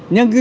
nhưng cái số